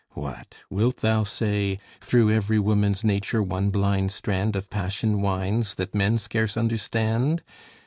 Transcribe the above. What, wilt thou say "Through every woman's nature one blind strand Of passion winds, that men scarce understand?"